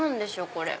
これ。